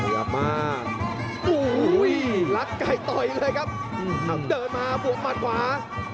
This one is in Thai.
เยอะมากลักไก่ต่อยเลยครับเดินมาบวกมันขวา